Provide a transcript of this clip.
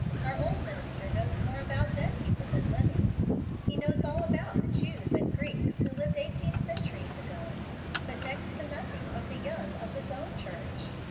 Our old minister knows more about dead people than living. He knows all about the Jews and Greeks who lived eighteen centuries ago, but next to nothing of the young of his own church.